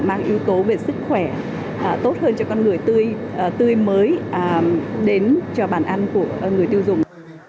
mang yếu tố về sức khỏe tốt hơn cho con người tươi tươi mới đến cho bàn ăn của người tiêu dùng